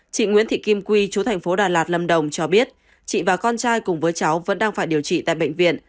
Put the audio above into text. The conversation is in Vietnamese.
chị nguyễn thị kim quy chú thành phố đà lạt lâm đồng cho biết chị và con trai cùng với cháu vẫn đang phải điều trị tại bệnh viện